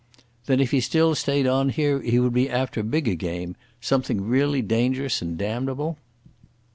"Then if he still stayed on here he would be after bigger game—something really dangerous and damnable?"